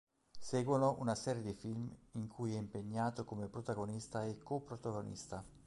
Seguono una serie di film in cui è impegnato come protagonista e coprotagonista.